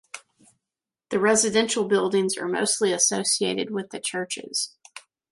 The residential buildings are mostly associated with the churches.